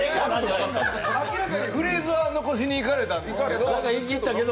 明らかにフレーズは残しにいかれたんですけど。